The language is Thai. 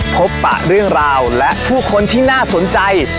ปะเรื่องราวและผู้คนที่น่าสนใจ